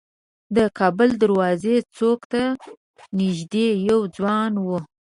د کابل دروازې څوک ته نیژدې یو ځوان و.